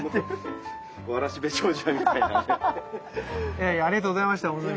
いやいやありがとうございましたほんとに。